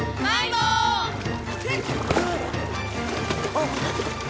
あっ！